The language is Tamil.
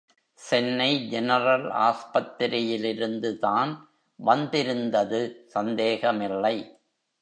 சென்னை ஜெனரல் ஆஸ்பத்திரியிலிருந்து தான் வந்திருந்தது சந்தேகமில்லை.